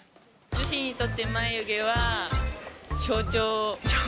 女子にとって眉毛は、象徴。